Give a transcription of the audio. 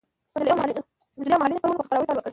مجلې او مهالنۍ خپرونو په خپراوي پيل وكړ.